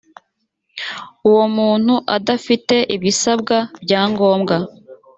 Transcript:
uwo muntu adafite ibisabwa bya ngombwa